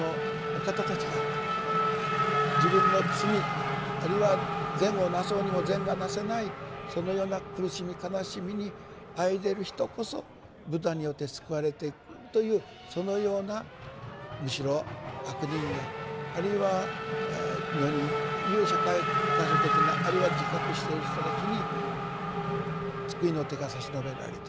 自分の罪あるいは善をなそうにも善がなせないそのような苦しみ悲しみにあえいでいる人こそブッダによって救われていくというそのようなむしろ悪人やあるいは女人という社会下層的なあるいは自覚している人たちに救いの手が差し伸べられてくると。